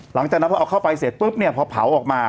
หลังจากนั้นพอเอาเข้าไปเสร็จปุ๊บเนี่ยพอเผาออกมา